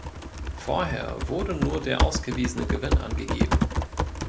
Vorher wurde nur der ausgewiesene Gewinn angegeben.